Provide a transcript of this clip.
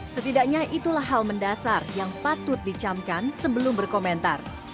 setidaknya itulah hal mendasar yang patut dicamkan sebelum berkomentar